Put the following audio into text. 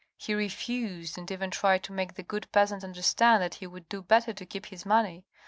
He refused, and even tried to make the good peasant understand that he would do better to keep his money.